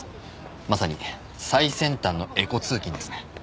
まさに最先端のエコ通勤ですね！